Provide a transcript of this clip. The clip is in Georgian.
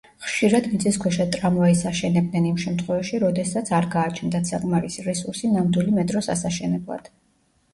ხშირად მიწისქვეშა ტრამვაის აშენებდნენ იმ შემთხვევაში, როდესაც არ გააჩნდათ საკმარისი რესურსი ნამდვილი მეტროს ასაშენებლად.